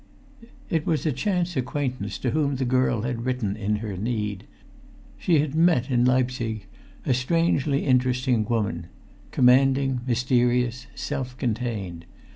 It was a chance acquaintance to whom the girl had written in her need. She had met in Leipzig a strangely interesting woman: commanding, mysterious, self contained.